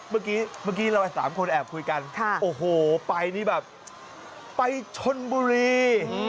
เมื่อกี้เรา๓คนแอบคุยกันโอ้โฮไปนี่แบบไปชนบุรี